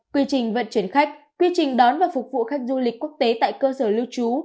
quy trình vận chuyển khách quy trình đón và phục vụ khách du lịch quốc tế tại cơ sở lưu trú